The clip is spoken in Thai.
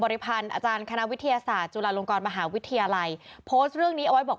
พันธ์อาจารย์คณะวิทยาศาสตร์จุฬาลงกรมหาวิทยาลัยโพสต์เรื่องนี้เอาไว้บอก